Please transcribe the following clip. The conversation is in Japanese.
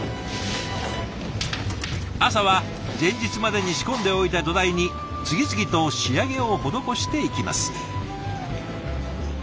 朝は前日までに仕込んでおいた土台に次々と仕上げを施していきます。